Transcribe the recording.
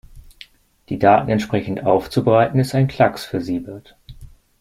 Die Daten entsprechend aufzubereiten, ist ein Klacks für Siebert.